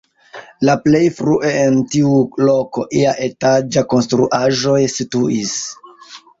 La plej frue en tiu loko ia etaĝa konstruaĵo situis.